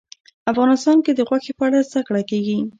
افغانستان کې د غوښې په اړه زده کړه کېږي.